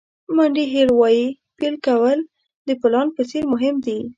مانډي هیل وایي پیل کول د پلان په څېر مهم دي.